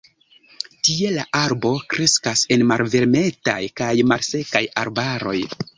Tie la arbo kreskas en malvarmetaj kaj malsekaj arbaroj.